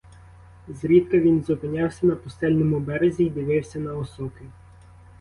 Зрідка він зупинявся на пустельному березі й дивився на осоки.